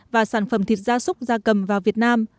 và sản phẩm thịt gia súc gia cầm vào việt nam